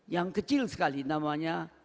yang kecil sekali namanya